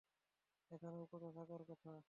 এখানেই কোথাও থাকার কথা।